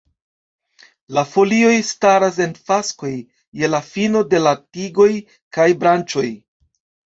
La folioj staras en faskoj je la fino de la tigoj kaj branĉoj.